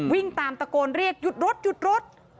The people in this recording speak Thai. วิ่งตามตะโกนเรียกหยุดรถ